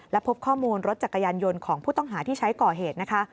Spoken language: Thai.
และพบข้อมูลรถจักรยานยนต์ของผู้ต้องหาที่ใช้ก่อเหตุนะคะ